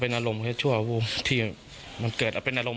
แต่ไม่ได้ว่าเอาหน้าเขาไปทิ้มกับท่อนะครับ